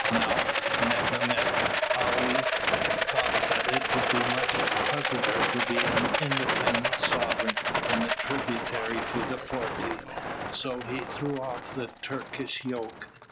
Now Mehemet Ali thought that it would be much pleasanter to be an independent sovereign than a tributary to the Porte, so he threw off the Turkish yoke.